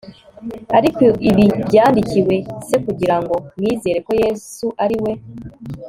ariko ibi byandikiwe c kugira ngo mwizere ko yesu ari we